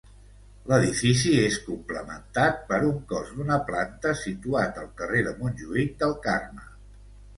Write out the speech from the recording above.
L'edifici és complementat per un cos d'una planta situat al carrer de Montjuïc del Carme.